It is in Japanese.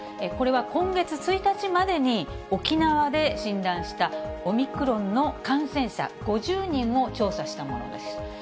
これは今月１日までに、沖縄で診断したオミクロンの感染者５０人を調査したものです。